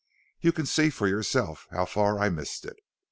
You can see for yourself how far I missed it.